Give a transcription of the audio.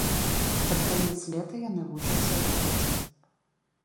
Пад канец лета яны вучацца лётаць.